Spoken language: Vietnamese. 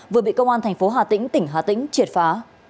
vừa bị công an tp hà tĩnh tỉnh hà tĩnh triệt phá